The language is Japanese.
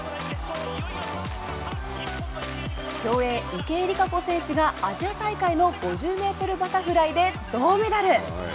競泳、池江璃花子選手がアジア大会の５０メートルバタフライで銅メダル。